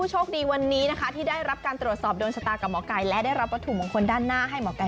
ให้เลือดออกให้เจ็บตัวบริจาคเลือดอะไรแบบนี้